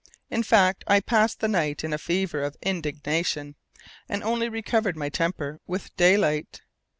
In fact, I passed the night in a fever of indignation, and only recovered my temper with daylight.